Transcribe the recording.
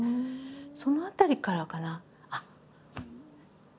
その辺りからかな。